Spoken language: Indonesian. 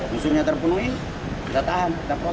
unsurnya terpenuhi kita tahan kita proses